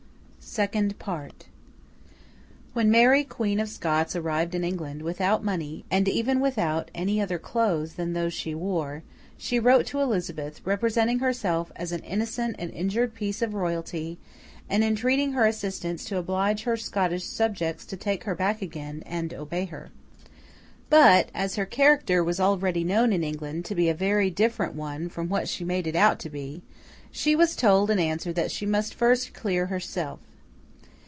SECOND PART When Mary Queen of Scots arrived in England, without money and even without any other clothes than those she wore, she wrote to Elizabeth, representing herself as an innocent and injured piece of Royalty, and entreating her assistance to oblige her Scottish subjects to take her back again and obey her. But, as her character was already known in England to be a very different one from what she made it out to be, she was told in answer that she must first clear herself.